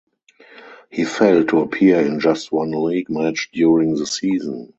He failed to appear in just one league match during the season.